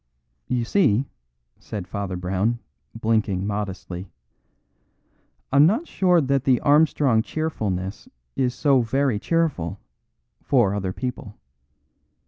"You see," said Father Brown, blinking modestly, "I'm not sure that the Armstrong cheerfulness is so very cheerful for other people.